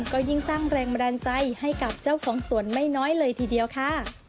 ก็ยิ่งสร้างแรงบันดาลใจให้กับเจ้าของสวนไม่น้อยเลยทีเดียวค่ะ